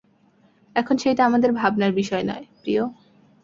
এখন, সেইটা আমাদের ভাবনার বিষয় নয়, প্রিয়।